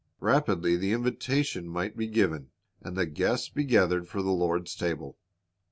Rapidly the invitation might be given, and the guests be gathered for the Lord's table.